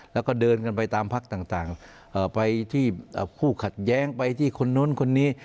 แล้วก็เดินกันไปตามพักต่างไปที่คู่ขัดแย้งไปที่คนนู้นคนนี้